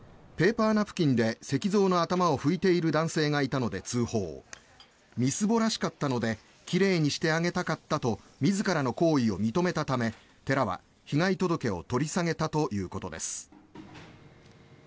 ペーパーナプキンで石像の頭を拭いている男性がいたので通報みすぼらしかったので奇麗にしてあげたかったと自らの行為を認めたため寺は、被害届を取り下げたということです。